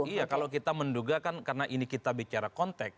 iya kalau kita menduga kan karena ini kita bicara konteks